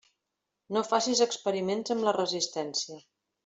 No facis experiments amb la resistència.